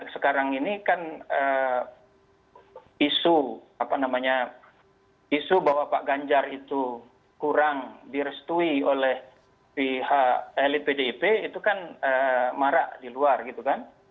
sekarang ini kan isu apa namanya isu bahwa pak ganjar itu kurang direstui oleh pihak elit pdip itu kan marak di luar gitu kan